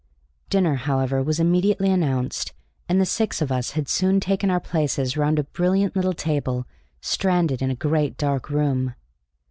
Dinner, however, was immediately announced, and the six of us had soon taken our places round a brilliant little table stranded in a great dark room.